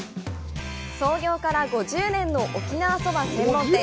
創業から５０年の沖縄そば専門店。